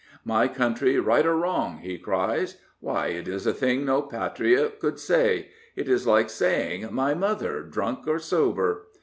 My country, right or wrong I " he cries. " Why, it is a thing no patriot could say. It is like saying, ' My mother, drunk or sober.'